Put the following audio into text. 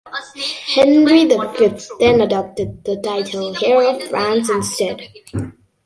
Henry the Fifth then adopted the title Heir of France instead.